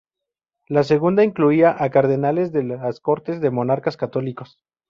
La segunda incluía a cardenales de las cortes de monarcas católicos.